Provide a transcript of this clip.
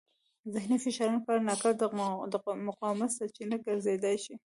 ذهني فشارونه کله ناکله د مقاومت سرچینه ګرځېدای شي.